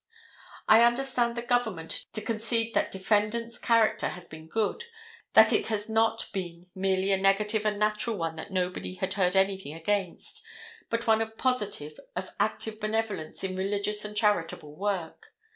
I understand the government to concede that defendant's character has been good: that it has not been merely a negative and natural one that nobody had heard anything against, but one of positive, of active benevolence in religious and charitable work.